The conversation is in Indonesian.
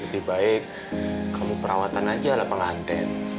lebih baik kamu perawatan aja ala pengantin